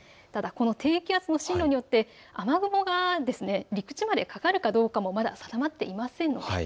ただ低気圧の進路によって雨雲が陸地までかかるかどうかもまだ定まっていません。